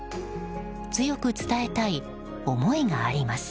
強く伝えたい思いがあります。